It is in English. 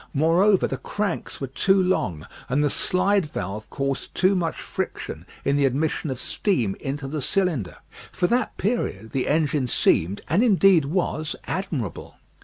Moreover, the cranks were too long, and the slide valve caused too much friction in the admission of steam into the cylinder. For that period the engine seemed, and indeed was, admirable.